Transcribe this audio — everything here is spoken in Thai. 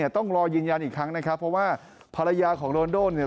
ต้องรอยืนยันอีกครั้งนะครับเพราะว่าภรรยาของโรนโด้เนี่ย